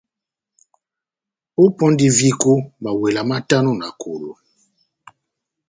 Ópɔndi viko mawela matano ma kolo.